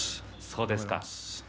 そうですか。